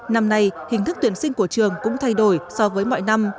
năm nay hình thức tuyển sinh của trường cũng thay đổi so với mọi năm